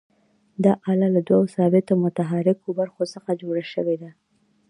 دا آله له دوو ثابتو او متحرکو برخو څخه جوړه شوې ده.